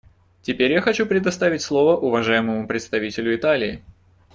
Теперь я хочу предоставить слово уважаемому представителю Италии.